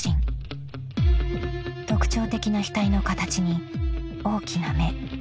［特徴的な額の形に大きな目］